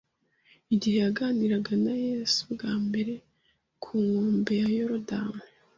Igihe yaganiraga na Yesu bwa mbere ku nkombe ya Yorodani